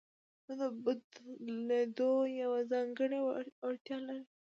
دا د بدلېدو یوه ځانګړې وړتیا لري.